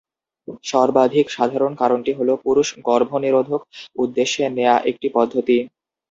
সর্বাধিক সাধারণ কারণটি হল পুরুষ গর্ভনিরোধক উদ্দেশ্যে নেয়া একটি পদ্ধতি।